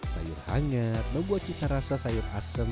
sayur hangat membuat cita rasa sayur asem